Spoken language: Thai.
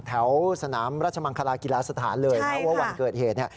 แถวสนามราชมังคลากีฬาสถานเลยนะว่าวันเกิดเหตุเนี่ย